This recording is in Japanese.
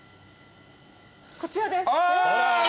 こちらです。